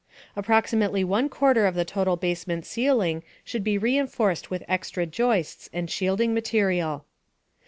Approximately one quarter of the total basement ceiling should be reinforced with extra joists and shielding material.